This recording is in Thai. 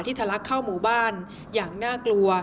ทะลักเข้าหมู่บ้านอย่างน่ากลัว